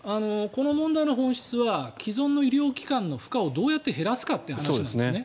この問題の本質は既存の医療機関の負荷をどうやって減らすかという話なんですね。